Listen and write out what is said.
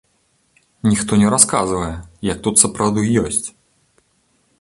Ніхто не расказвае, як тут сапраўды ёсць.